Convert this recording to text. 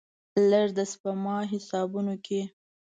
لږ، د سپما حسابونو کې